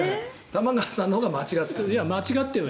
玉川さんのほうが間違ってる。